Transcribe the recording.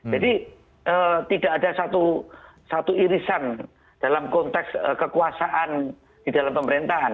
tidak ada satu irisan dalam konteks kekuasaan di dalam pemerintahan